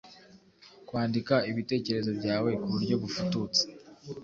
kwandika ibitekerezo byawe ku buryo bufututse